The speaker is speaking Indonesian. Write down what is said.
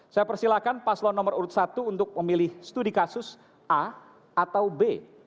saya persilahkan paslon nomor urut satu untuk memilih studi kasus a atau b